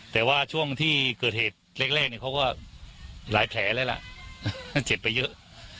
แต่ว่าช่วงที่เกิดเหตุแรกเขาก็หลายแผลแล้วล่ะมันเจ็บไปเยอะ